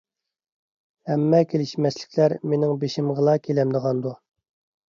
ھەممە كېلىشمەسلىكلەر مېنىڭ بېشىمغىلا كېلەمدىغاندۇ؟